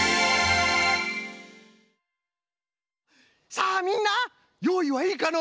さあみんなよういはいいかの？